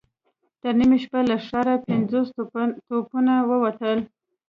تر نيمې شپې له ښاره پنځوس توپونه ووتل.